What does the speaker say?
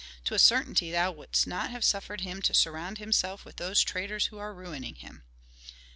To a certainty thou wouldst not have suffered him to surround himself with those traitors who are ruining him."